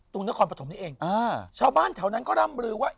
นครปฐมนี่เองอ่าชาวบ้านแถวนั้นก็ร่ำลือว่า